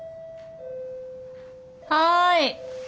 はい。